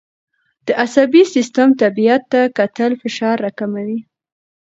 د عصبي سیستم طبیعت ته کتل فشار راکموي.